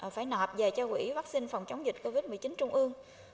phải nộp về cho quỹ vắc xin phòng chống dịch covid một mươi chín trung ương